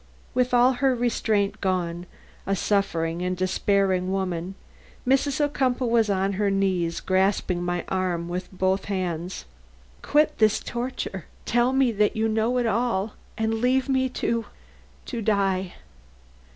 "_ With all her restraint gone a suffering and despairing woman, Mrs. Ocumpaugh was on her knees, grasping my arm with both hands. "Quit this torture! tell me that you know it all and leave me to to die!"